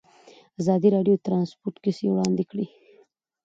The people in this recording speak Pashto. ازادي راډیو د ترانسپورټ کیسې وړاندې کړي.